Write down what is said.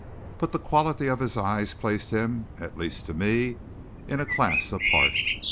But the quality of his eyes placed him, at least to me, in a class apart.